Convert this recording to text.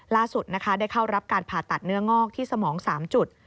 ล่าสุดนะคะได้เข้ารับการผ่าตัดเนื้องอกที่สมอง๓จุด